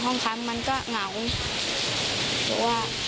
ทำข้าวให้แม่หรือทำข้าวไป